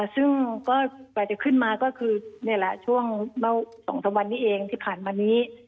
ซึ่งก็กว่าจะขึ้นมาก็คือนี่แหละช่วง๒๓วันนี้เองที่ผ่านมานี้